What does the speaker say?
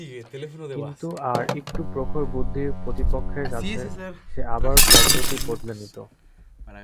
কিন্তু আর একটু প্রখর বুদ্ধির প্রতিপক্ষের কাছে সে আবার পদ্ধতি বদলে নিত।